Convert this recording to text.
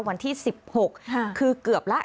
วันที่๑๖คือเกือบแล้ว